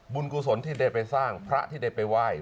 กุศลที่ได้ไปสร้างพระที่ได้ไปไหว้